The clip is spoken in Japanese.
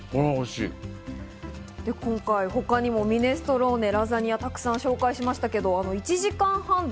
今回、他にもミネストローネ、ラザニア、たくさん紹介しましたけど１時間半で